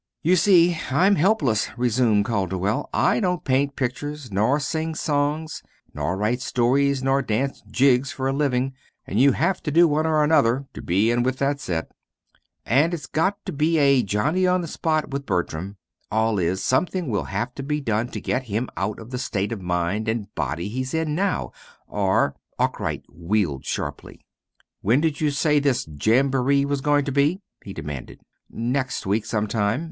"You see, I'm helpless," resumed Calderwell. "I don't paint pictures, nor sing songs, nor write stories, nor dance jigs for a living and you have to do one or another to be in with that set. And it's got to be a Johnny on the spot with Bertram. All is, something will have to be done to get him out of the state of mind and body he's in now, or " Arkwright wheeled sharply. "When did you say this jamboree was going to be?" he demanded. "Next week, some time.